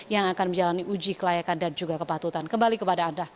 yang akan menjalani uji kelayakan dan juga kepatutan kembali kepada anda